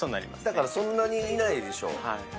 だからそんなにいないでしょ。